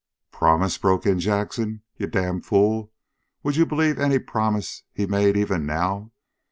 "Promise?" broke in Jackson. "Ye damned fool, would ye believe ary promise he made, even now?